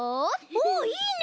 おいいね！